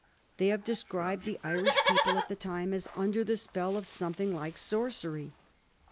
They have described the Irish people at the time as under the spell of something like sorcery.